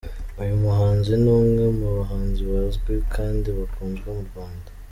Uyu muhanzi ni umwe mu bahanzi bazwi kandi bakunzwe mu Rwanda.